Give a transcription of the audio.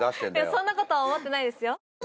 そんなことは思ってないですよ